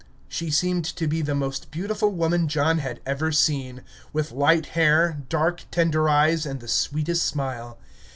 She seemed to be the most beautiful woman John had ever seen; with light hair, dark, tender eyes, and the sweetest smile.